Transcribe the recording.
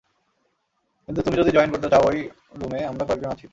কিন্তু তুমি যদি জয়েন করতে চাও ঐ রুমে আমরা কয়েকজন আছি।